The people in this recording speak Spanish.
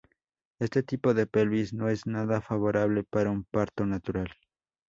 Este tipo de pelvis no es nada favorable para un parto natural.